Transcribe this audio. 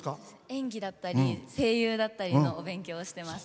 演技だったり、声優だったりのお勉強をしています。